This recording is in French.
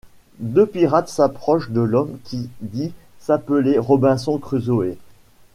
Deux pirates s'approchent de l'homme qui dit s'appeler Robinson Crusoé.